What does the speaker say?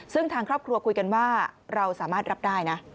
ซึ่งทางครอบครัวคุยกันว่าเราสามารถรับได้นะ